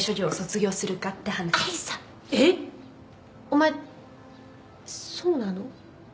お前そうなの？